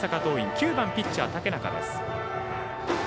９番ピッチャー、竹中です。